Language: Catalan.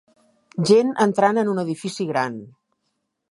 Gent entrant en un edifici gran.